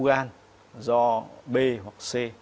bệnh nhân bị u gan do b hoặc c